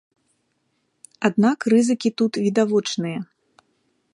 Аднак рызыкі тут відавочныя.